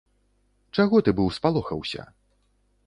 Чаго ты быў спалохаўся?